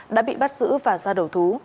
đã bị bắt giữ và ra đổ thú